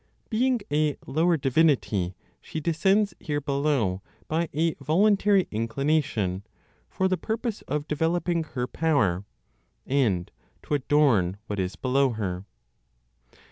Being a lower divinity, she descends here below by a voluntary inclination, for the purpose of developing her power, and to adorn what is below her.